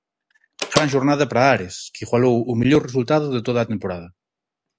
Gran xornada para Ares, que igualou o mellor resultado de toda a temporada.